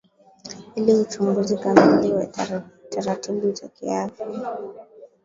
ili uchunguzi kamili na taratibu zakiafya